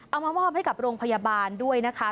เอามามอบให้กับโรงพยาบาลด้วยนะคะ